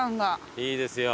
いいですよ。